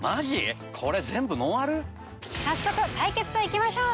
早速対決といきましょう！